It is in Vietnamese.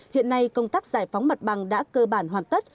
hiện nay công tác giải phóng mặt bằng đã cơ bản hoàn tất